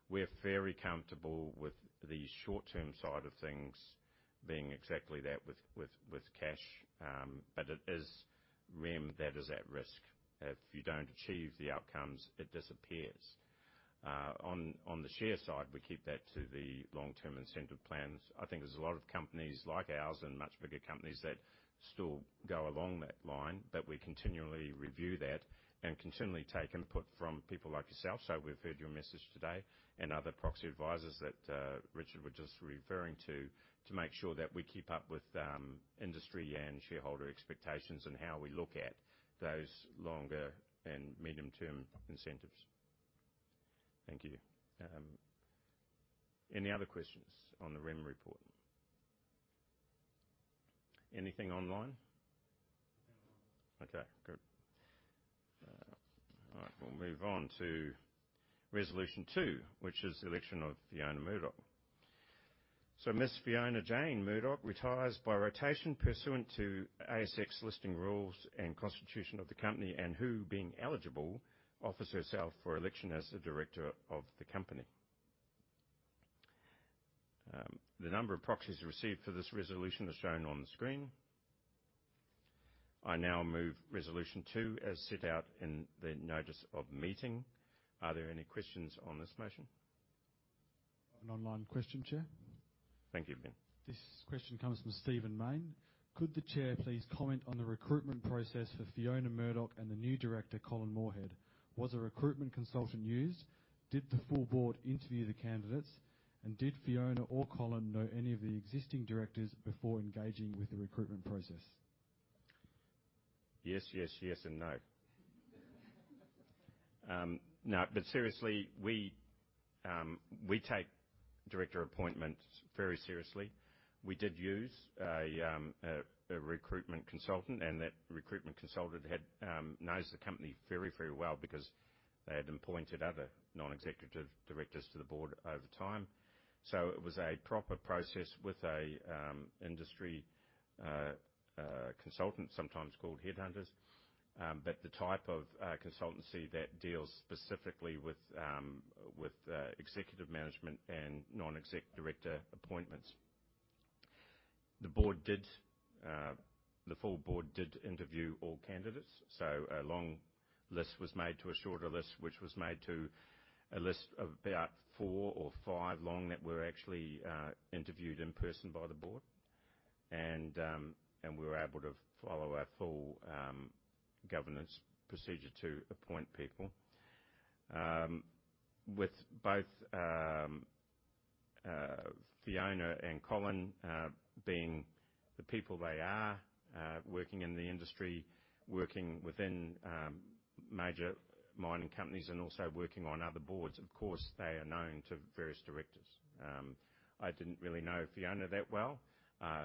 We're very comfortable with the short-term side of things being exactly that with cash. It is REM that is at risk. If you don't achieve the outcomes, it disappears. On the share side, we keep that to the long-term incentive plans. I think there's a lot of companies like ours and much bigger companies that still go along that line. We continually review that and continually take input from people like yourself. We've heard your message today and other proxy advisors that Richard was just referring to make sure that we keep up with industry and shareholder expectations and how we look at those longer and medium-term incentives. Thank you. Any other questions on the REM report? Anything online? Nothing online. Okay, good. All right, we'll move on to Resolution 2, which is the election of Fiona Murdoch. Ms. Fiona Jane Murdoch retires by rotation pursuant to ASX Listing Rules and constitution of the company, and who, being eligible, offers herself for election as a director of the company. The number of proxies received for this resolution are shown on the screen. I now move Resolution 2 as set out in the notice of meeting. Are there any questions on this motion? An online question, Chair. Thank you, Ben. This question comes from Stephen Mayne. Could the chair please comment on the recruitment process for Fiona Murdoch and the new director, Colin Moorhead? Was a recruitment consultant used? Did the full board interview the candidates? Did Fiona or Colin know any of the existing directors before engaging with the recruitment process? Yes, yes, and no. No, but seriously, we take director appointments very seriously. We did use a recruitment consultant, and that recruitment consultant had knows the company very, very well because they had appointed other non-executive directors to the board over time. It was a proper process with a industry consultant, sometimes called headhunters. The type of consultancy that deals specifically with executive management and non-exec director appointments. The full board did interview all candidates, so a long list was made to a shorter list, which was made to a list of about four or five long that were actually interviewed in person by the board. We were able to follow our full governance procedure to appoint people. With both Fiona Murdoch and Colin Moorhead being the people they are, working in the industry, working within major mining companies and also working on other boards, of course, they are known to various directors. I didn't really know Fiona Murdoch that well. I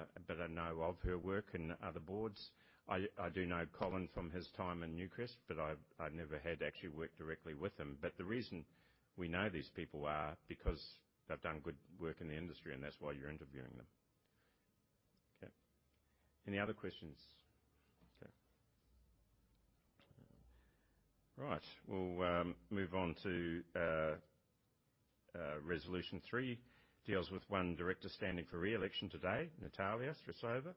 know of her work in other boards. I do know Colin Moorhead from his time in Newcrest Mining. I've never had actually worked directly with him. The reason we know these people are because they've done good work in the industry. That's why you're interviewing them. Okay. Any other questions? Okay. Right. We'll move on to Resolution 3. Deals with one director standing for re-election today, Natalia Streltsova.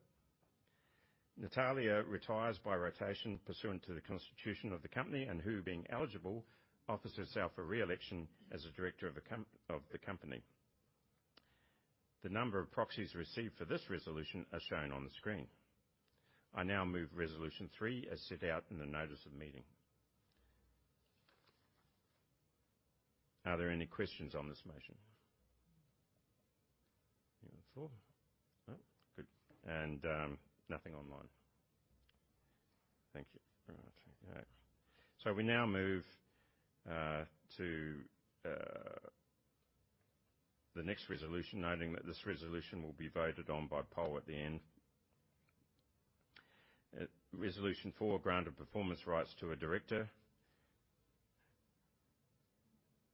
Natalia retires by rotation pursuant to the constitution of the company, and who, being eligible, offers herself for re-election as a director of the company. The number of proxies received for this resolution are shown on the screen. I now move Resolution 3 as set out in the notice of meeting. Are there any questions on this motion? On the floor? No. Good. Nothing online. Thank you very much. All right. We now move to the next resolution, noting that this resolution will be voted on by poll at the end. Resolution 4, grant of performance rights to a director.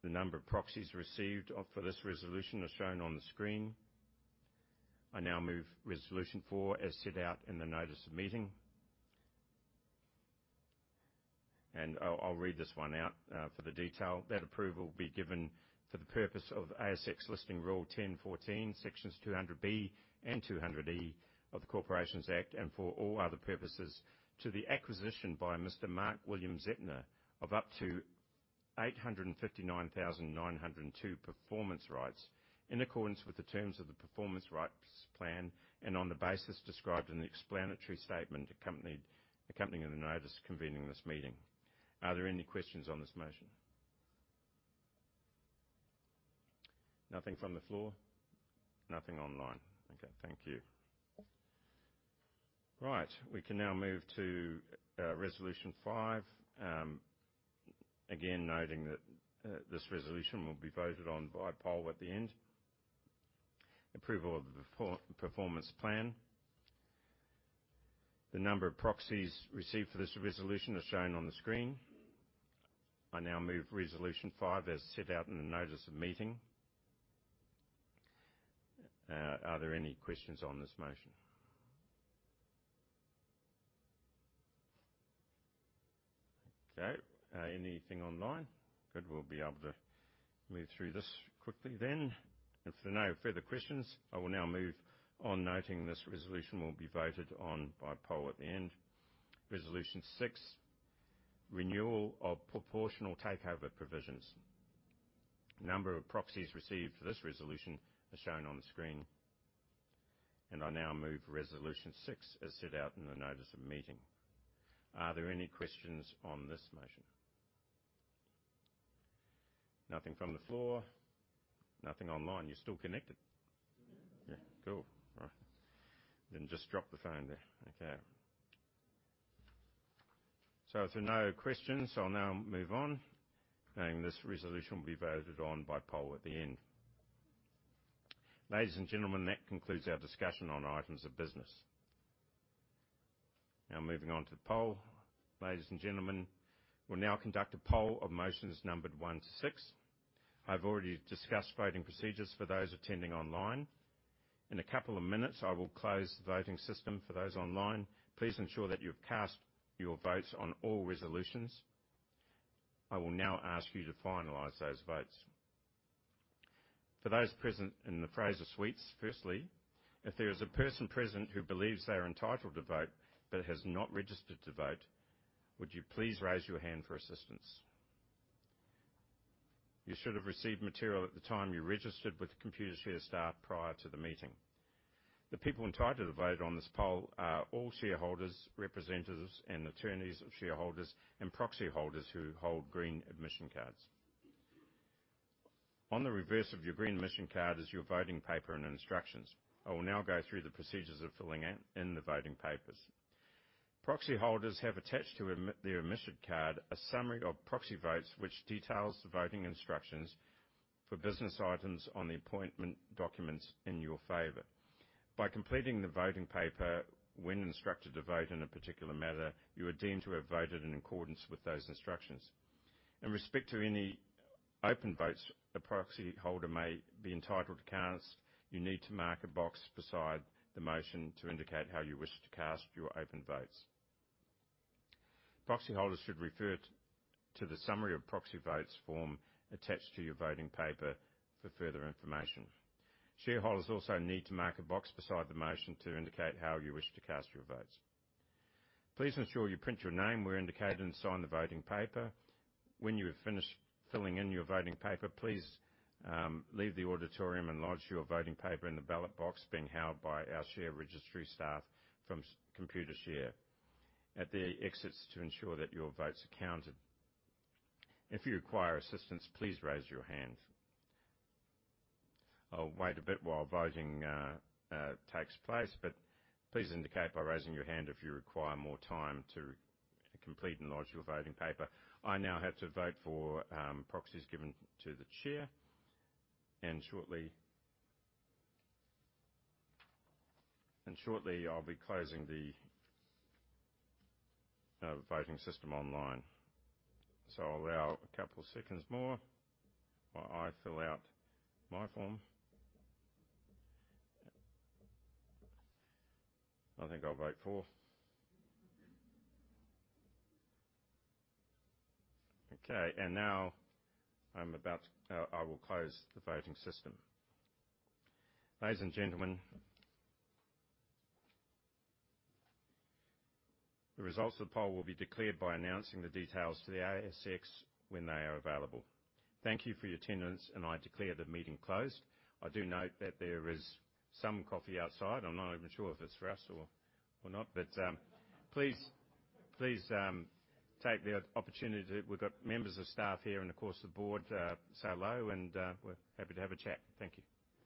The number of proxies received for this resolution are shown on the screen. I now move Resolution 4 as set out in the notice of meeting. I'll read this one out for the detail. That approval be given for the purpose of ASX Listing Rule 10.14, sections 200B and 200E of the Corporations Act 2001, and for all other purposes to the acquisition by Mr. Mark William Zeptner of up to 859,902 performance rights in accordance with the terms of the Performance Rights Plan and on the basis described in the explanatory statement accompanying the notice convening this meeting. Are there any questions on this motion? Nothing from the floor. Nothing online. Okay, thank you. We can now move to Resolution 5. Again, noting that this resolution will be voted on by poll at the end. Approval of the Performance Plan. The number of proxies received for this resolution are shown on the screen. I now move Resolution 5 as set out in the notice of meeting. Are there any questions on this motion? Okay. Anything online? Good. We'll be able to move through this quickly then. If there are no further questions, I will now move on, noting this resolution will be voted on by poll at the end. Resolution 6, renewal of proportional takeover provisions. The number of proxies received for this resolution is shown on the screen. I now move Resolution 6 as set out in the notice of the meeting. Are there any questions on this motion? Nothing from the floor, nothing online. You're still connected? Yeah. Yeah, cool. All right. Didn't just drop the phone there. Okay. If there are no questions, I'll now move on, and this resolution will be voted on by poll at the end. Ladies and gentlemen, that concludes our discussion on items of business. Moving on to the poll. Ladies and gentlemen, we'll now conduct a poll of motions numbered one to six. I've already discussed voting procedures for those attending online. In a couple of minutes, I will close the voting system for those online. Please ensure that you've cast your votes on all resolutions. I will now ask you to finalize those votes. For those present in the Fraser Suites firstly, if there is a person present who believes they are entitled to vote but has not registered to vote, would you please raise your hand for assistance. You should have received material at the time you registered with the Computershare staff prior to the meeting. The people entitled to vote on this poll are all shareholders, representatives, and attorneys of shareholders and proxy holders who hold green admission cards. On the reverse of your green admission card is your voting paper and instructions. I will now go through the procedures of filling out in the voting papers. Proxy holders have attached to their admission card, a summary of proxy votes, which details the voting instructions for business items on the appointment documents in your favor. By completing the voting paper when instructed to vote in a particular matter, you are deemed to have voted in accordance with those instructions. In respect to any open votes a proxy holder may be entitled to cast, you need to mark a box beside the motion to indicate how you wish to cast your open votes. Proxy holders should refer to the summary of proxy votes form attached to your voting paper for further information. Shareholders also need to mark a box beside the motion to indicate how you wish to cast your votes. Please ensure you print your name where indicated and sign the voting paper. When you have finished filling in your voting paper, please leave the auditorium and lodge your voting paper in the ballot box being held by our share registry staff from Computershare at the exits to ensure that your votes are counted. If you require assistance, please raise your hand. I'll wait a bit while voting takes place. Please indicate by raising your hand if you require more time to complete and lodge your voting paper. I now have to vote for proxies given to the chair, and shortly, I'll be closing the voting system online. I'll allow a couple of seconds more while I fill out my form. Nothing I'll vote for. Okay, now I will close the voting system. Ladies and gentlemen, the results of the poll will be declared by announcing the details to the ASX when they are available. Thank you for your attendance. I declare the meeting closed. I do note that there is some coffee outside. I'm not even sure if it's for us or not, but. Please take the opportunity. We've got members of staff here and of course, the board, say hello, and, we're happy to have a chat. Thank you.